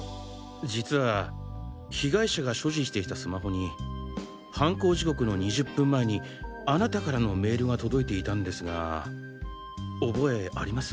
実は被害者が所持していたスマホに犯行時刻の２０分前にあなたからのメールが届いていたんですが覚えあります？